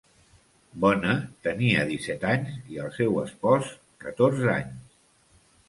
Bona tenia disset anys i el seu espòs catorze anys.